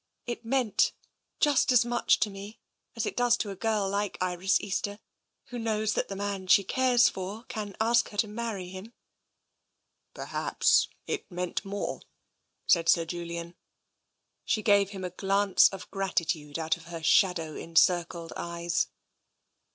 It meant just as much to me as it does to a girl like Iris Easter, who knows that the man she cares for can ask her to marry him." " Perhaps it meant more," said Sir Julian. She gave him a glance of gratitude out of her shadow encircled eyes.